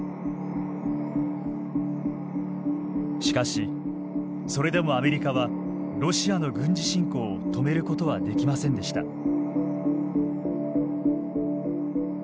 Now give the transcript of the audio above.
しかしそれでもアメリカはロシアの軍事侵攻を止めることはできませんでした。